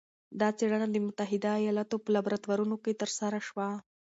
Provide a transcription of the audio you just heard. دا څېړنه د متحده ایالتونو په لابراتورونو کې ترسره شوه.